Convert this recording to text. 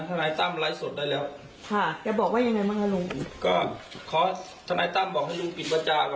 ท่านายตั้มบอกให้ลุงปิดบาจาก่อน